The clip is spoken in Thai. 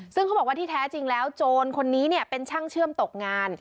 ซึ่งเขาบอกว่าที่แท้จริงแล้วโจรคนนี้เป็นช่างเชื่อมตกงาน